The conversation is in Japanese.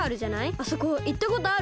あそこいったことある？